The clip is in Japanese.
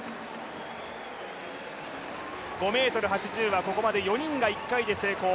５ｍ８０は、ここまで４人が１回で成功。